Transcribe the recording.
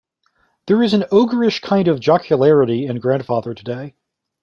There is an ogreish kind of jocularity in Grandfather today.